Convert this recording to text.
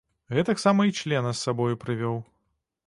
Гэтаксама й члена з сабою прывёў.